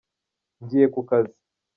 Ngiye kukazi.